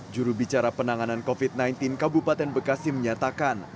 juru bicara penanganan covid sembilan belas kabupaten bekasi menyatakan